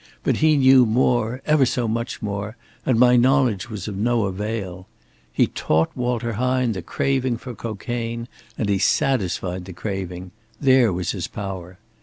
But he knew more, ever so much more, and my knowledge was of no avail. He taught Walter Hine the craving for cocaine, and he satisfied the craving there was his power.